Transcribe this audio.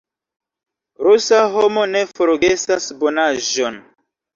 Rusa homo ne forgesas bonaĵon.